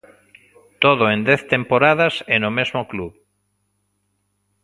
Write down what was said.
Todo en dez temporadas e no mesmo club.